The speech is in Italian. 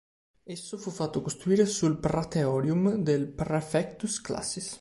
Esso fu fatto costruire sul "praetorium" del "praefectus classis".